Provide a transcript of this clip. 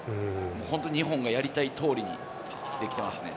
本当、日本がやりたいとおりにできてますね。